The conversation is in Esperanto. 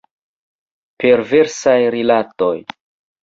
Perversaj rilatoj.